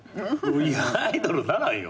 いやアイドルならんよ。